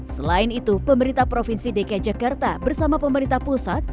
selain itu pemerintah provinsi dki jakarta bersama pemerintah pusat